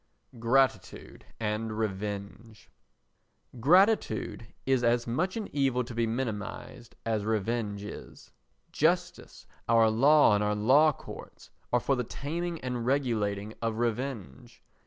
Gratitude and Revenge Gratitude is as much an evil to be minimised as revenge is. Justice, our law and our law courts are for the taming and regulating of revenge.